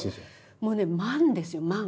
もうね万ですよ万。